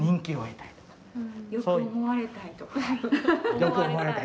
「よく思われたい」